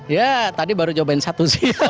ya tadi baru cobain satu sih